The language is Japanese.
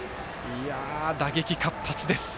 打撃、活発です。